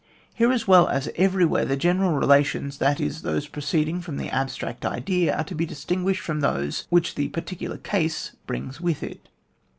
Here, as well as everywhere, the general relations, that is, those pro ceeding from the abstract idea are to be distinguished from those which the par ticular case brings with it.